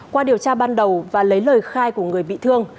qua điều tra ban đầu và lấy lời khai của người bị thương